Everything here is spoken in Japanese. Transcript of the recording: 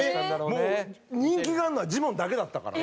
もう人気があるのはジモンだけだったから。